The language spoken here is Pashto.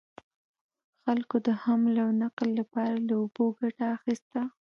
خلکو د حمل او نقل لپاره له اوبو ګټه اخیسته.